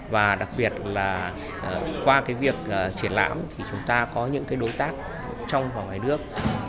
và đặc biệt là qua việc triển lãm thì chúng ta có những đối tác trong và ngoài nước